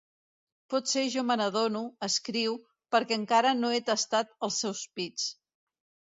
Potser jo me n'adono, escriu, perquè encara no he tastat els seus pits.